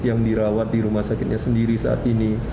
yang dirawat di rumah sakitnya sendiri saat ini